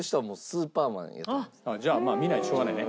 じゃあ見ないとしょうがないね。